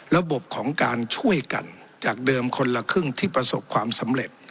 ระบบของการช่วยกันจากเดิมคนละครึ่งที่ประสบความสำเร็จ